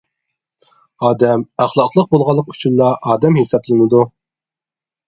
ئادەم ئەخلاقلىق بولغانلىقى ئۈچۈنلا، ئادەم ھېسابلىنىدۇ.